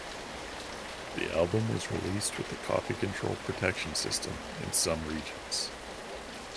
The album was released with the Copy Control protection system in some regions.